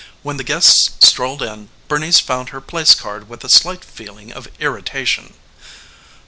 When the guests strolled in Bernice found her place card with a slight feeling of irritation.